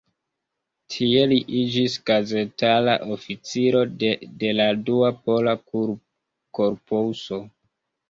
Tie li iĝis gazetara oficiro de la Dua Pola Korpuso.